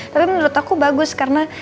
tapi menurut aku bagus karena